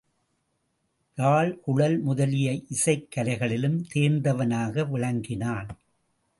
யாழ், குழல் முதலிய இசைக் கலைகளிலும் தேர்ந்தவனாக விளங்கினான்.